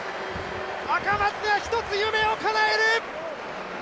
赤松が一つ夢をかなえる！